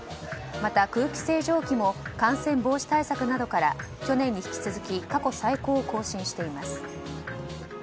また空気清浄機も感染防止対策などから去年に引き続き過去最高を更新しています。